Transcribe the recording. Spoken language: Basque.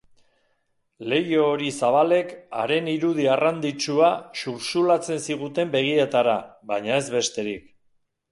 Leiho hori zabalek haren irudi arranditsua xuxurlatzen ziguten begietara, baina ez besterik.